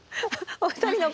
お二人の顔。